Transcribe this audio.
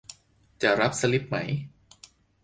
จะรับสลิปไหม